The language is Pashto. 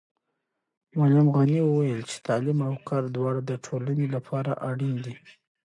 معلم غني وویل چې تعلیم او کار دواړه د ټولنې لپاره اړین دي.